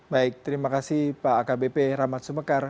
baik terima kasih pak akbp rahmat sumekar